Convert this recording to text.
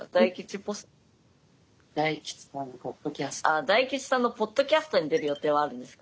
ああ大吉さんのポッドキャストに出る予定はあるんですか？